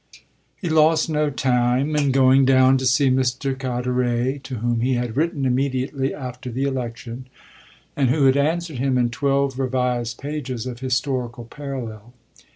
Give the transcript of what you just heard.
XVI He lost no time in going down to see Mr. Carteret, to whom he had written immediately after the election and who had answered him in twelve revised pages of historical parallel.